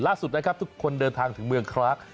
ล่าสุดทุกคนเดินทางจากเมืองคล้าง